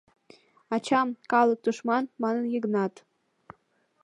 «Ачам — «калык тушман», — манын Йыгнат.